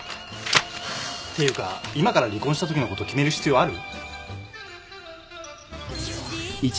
ていうか今から離婚したときのこと決める必要ある？